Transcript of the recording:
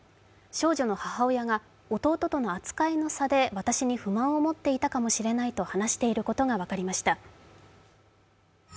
少女の母親が弟との扱いの差で私に不満を持っていたかもしれないと話していることが分かりました。